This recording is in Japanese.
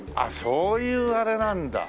そういうあれなんだ。